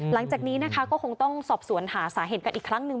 หลังจากนี้นะคะก็คงต้องสอบสวนหาสาเหตุกันอีกครั้งหนึ่ง